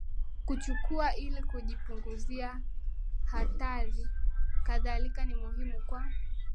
kuchukua ili kujipunguzia hatari Kadhalika ni muhimu kwa